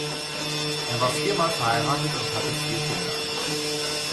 Er war viermal verheiratet und hatte vier Kinder.